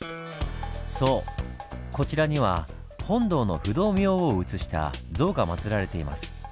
そうこちらには本堂の不動明王を写した像がまつられています。